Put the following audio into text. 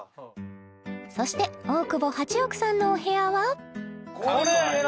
そして大久保八億さんのお部屋は？